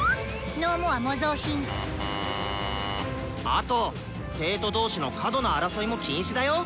「あと生徒同士の過度な争いも禁止だよ。